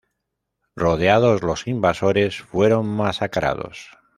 Rodeados los invasores fueron masacrados.